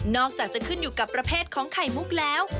อกจากจะขึ้นอยู่กับประเภทของไข่มุกแล้ว